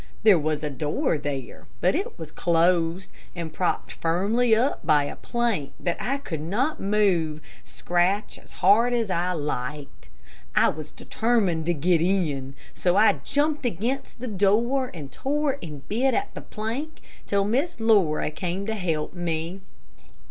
There was a door there, but it was closed, and propped firmly up by a plank that I could not move, scratch as hard as I liked. I was determined to get in, so I jumped against the door, and tore and bit at the plank, till Miss Laura came to help me.